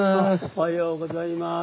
おはようございます。